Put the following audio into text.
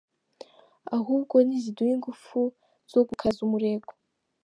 Ahubwo niziduhe ingufu zo gukaza umurego.